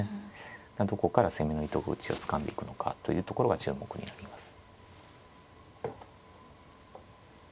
どこから攻めの糸口をつかんでいくのかというところが注目になります。